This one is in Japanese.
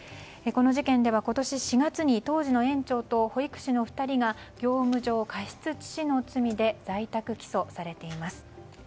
この事件では今年４月に当時の園長と保育士の２人が業務上過失致死の罪で在宅起訴されています。